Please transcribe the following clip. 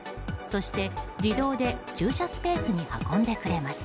そして、自動で駐車スペースに運んでくれます。